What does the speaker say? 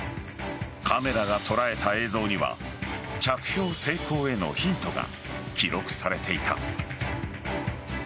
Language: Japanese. カメラが捉えた映像には着氷成功へのヒントが記録されていた。